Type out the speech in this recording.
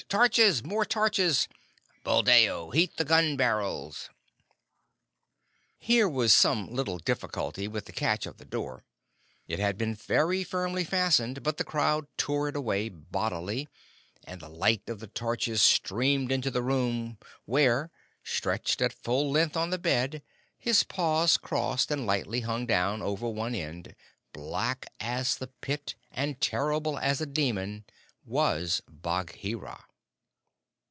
Torches! More torches! Buldeo, heat the gun barrels!" Here was some little difficulty with the catch of the door. It had been very firmly fastened, but the crowd tore it away bodily, and the light of the torches streamed into the room where, stretched at full length on the bed, his paws crossed and lightly hung down over one end, black as the Pit, and terrible as a demon, was Bagheera.